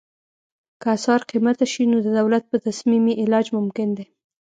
که اسعار قیمته شي نو د دولت په تصمیم یې علاج ممکن دی.